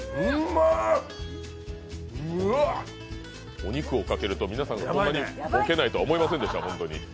お肉をかけると、こんな皆さんがボケないとは思いませんでした。